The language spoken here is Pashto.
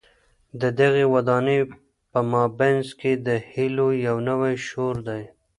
د دغي ودانۍ په مابينځ کي د هیلو یو نوی شور دی.